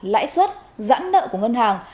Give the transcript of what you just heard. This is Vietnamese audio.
lãi suất giãn nợ của ngân hàng